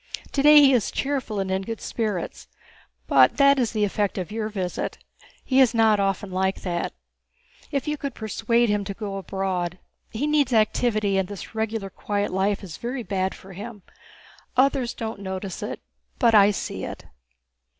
Today he is cheerful and in good spirits, but that is the effect of your visit—he is not often like that. If you could persuade him to go abroad. He needs activity, and this quiet regular life is very bad for him. Others don't notice it, but I see it."